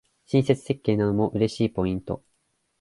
親切設計なのも嬉しいポイント